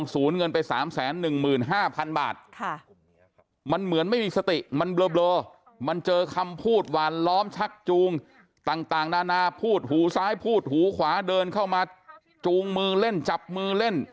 ซ้ายพูดหูขวาเดินเข้ามาจูงมือเล่นจับมือเล่น